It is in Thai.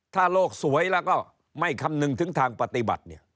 ถ้าโลกสวยแล้วก็ไม่คำนึงถึงทางปฏิบัติ